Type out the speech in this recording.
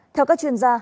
theo các chuyên gia